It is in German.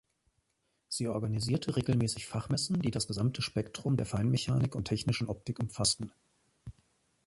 Sie organisierte regelmäßig Fachmessen, die das gesamte Spektrum der Feinmechanik und technischen Optik umfassten.